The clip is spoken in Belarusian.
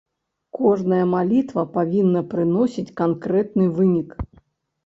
Кожная малітва павінна прыносіць канкрэтны вынік.